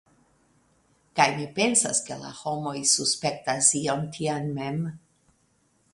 Kaj mi pensas, ke la homoj suspektas ion tian mem.